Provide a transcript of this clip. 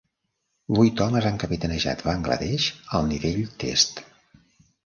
Vuit homes han capitanejat Bangladesh al nivell Test.